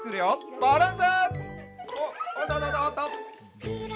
バランス。